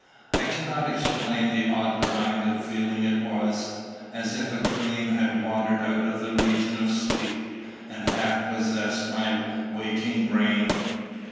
I cannot explain the odd kind of feeling it was, as if a dream had wandered out of the region of sleep, and half possessed my waking brain.